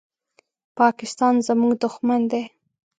پاکستان زمونږ دوښمن دی